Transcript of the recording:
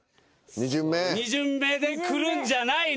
２巡目でくるんじゃないの？